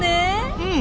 うん！